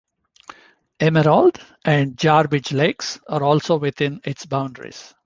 Emerald and Jarbidge Lakes are also within its boundaries.